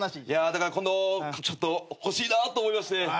いやだから今度ちょっと欲しいなと思いまして。